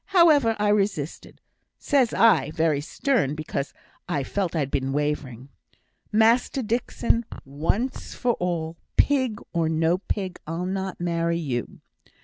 However, I resisted. Says I, very stern, because I felt I'd been wavering, 'Master Dixon, once for all, pig or no pig, I'll not marry you.